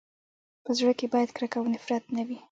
په زړه کي باید کرکه او نفرت نه وي.